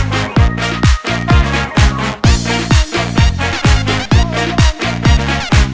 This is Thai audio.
แบบเจ็บติดติดไปทั้งป่ะ